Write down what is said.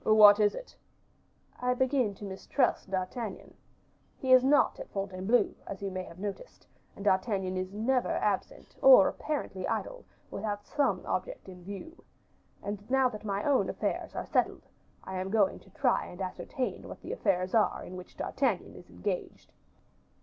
"What is it?" "I begin to mistrust D'Artagnan. He is not at Fontainebleau, as you may have noticed, and D'Artagnan is never absent, or apparently idle, without some object in view. And now that my own affairs are settled, I am going to try and ascertain what the affairs are in which D'Artagnan is engaged."